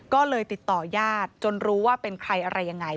ก็เลยติดต่อยาดจนรู้ว่าเป็นใครอะไรยังไง